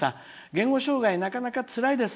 言語障害はなかなかつらいです。